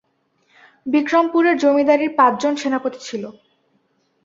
বিক্রমপুরের জমিদারীর পাঁচজন সেনাপতি ছিল।